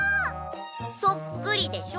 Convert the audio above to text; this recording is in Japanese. そっくりでしょ？